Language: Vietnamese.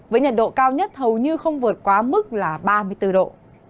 với nhiệt độ cao nhất hầu như không vượt quá mức là ba mươi bốn độ